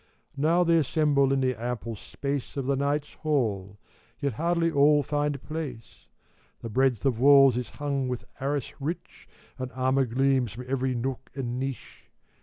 Now they assemble in the ample space Of the Knights' Hall ; yet hardly all find place. The breadth of walls is hung with arras rich, And armor gleams from every nook and niche.